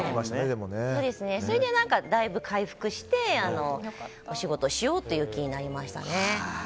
それで、だいぶ回復してお仕事をしようっていう気になりましたね。